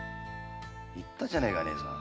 言ったじゃねえか姉さん。